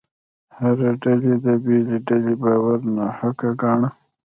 هره ډلې د بلې ډلې باور ناحقه ګاڼه.